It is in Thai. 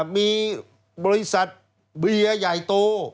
มีบริษัทเบียร์ใหญ่โต